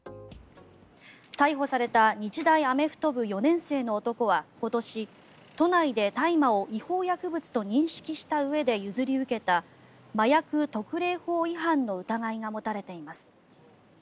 逮捕された日大アメフト部４年生の男は今年都内で大麻を違法薬物と認識したうえで譲り受けた麻薬特例法違反の疑いが持たれています。